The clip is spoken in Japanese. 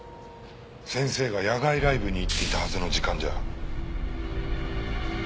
先生が野外ライブに行っていたはずの時間じゃ？